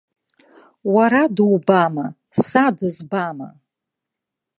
Уара дубама, са дызбама?